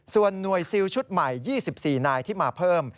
ส่วนหน่วยซิลชุดใหม่๒๔นายที่มาเพิ่ม